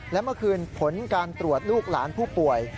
และเมื่อคืนผลการตรวจลูกหลานผู้ป่วย